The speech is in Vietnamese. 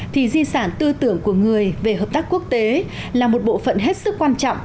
thì di sản tư tưởng của người về hợp tác quốc tế là một bộ phận hết sức quan trọng